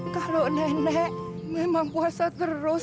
biar si cepi ketemu